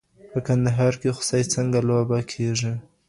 په کندهار کي خوسی څنګه لوبه کېږي؟